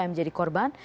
yang menjadi korban